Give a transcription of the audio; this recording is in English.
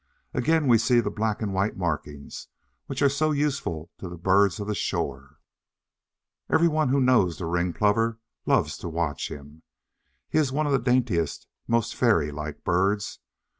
Again we see the black and white markings which are so useful to the bird of the shore. Everyone who knows the Ringed Plover loves to watch him. He is one of the daintiest, most fairy like birds.